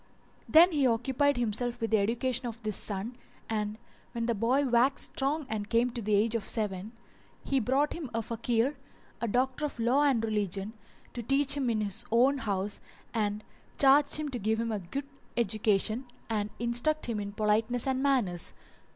Then he occupied himself with the education of this son and, when the boy waxed strong and came to the age of seven, he brought him a Fakih, a doctor of law and religion, to teach him in his own house and charged him to give him a good education and instruct him in politeness and good manners.